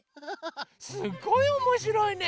すっごいおもしろいね。